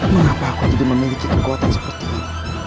kenapa aku tidak memiliki kekuatan seperti ini